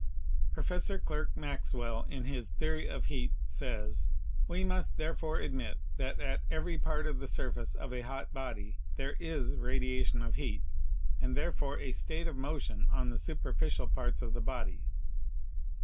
Professor Clerk Maxwell, in his 'Theory of Heat,' says : "We must therefore admit that at every part of the surface of a hot body there is radiation of heat, and therefore a state of motion on the superficial parts of the body.